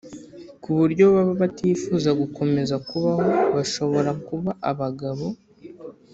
ku buryo baba batifuza gukomeza kubaho Bashobora kuba abagabo